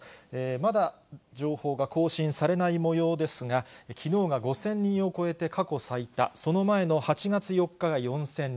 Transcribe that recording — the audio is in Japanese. まだ情報が更新されないもようですが、きのうが５０００人を超えて過去最多、その前の８月４日が４０００人。